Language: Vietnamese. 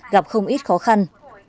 gặp không ít khó khăn